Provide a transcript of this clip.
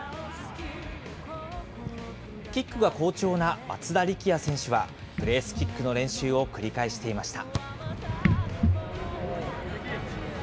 キックが好調な松田力也選手は、プレースキックの練習を繰り返していました。